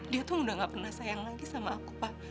dia tuh udah gak pernah sayang lagi sama aku pak